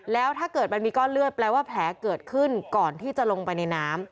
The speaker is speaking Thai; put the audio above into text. แล้วถ้าเกิดมันมีก้อนเลือดแปลว่าแผลเกิดขึ้นก่อนที่จะลงไปในน้ำ